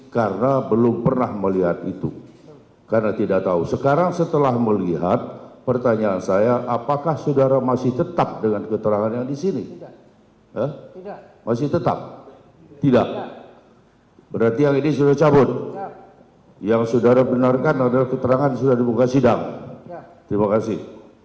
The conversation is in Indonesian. keterangan sudah dibuka sidang terima kasih